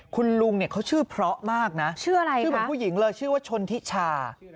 คุณลุงเขาชื่อเพราะมากนะชื่อเหมือนผู้หญิงเลยเชื่อว่าชื่ออะไรครับ